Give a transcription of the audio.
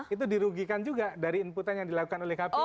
itu dirugikan juga dari inputan yang dilakukan oleh kpu